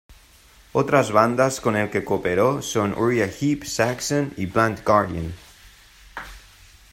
Otras bandas con el que cooperó son Uriah Heep, Saxon, y Blind Guardian.